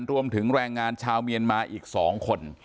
รวมถึงแรงงานชาวเมียนมาอีก๒คน